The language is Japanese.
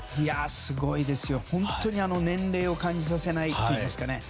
すごいですよ、本当に年齢を感じさせないというか。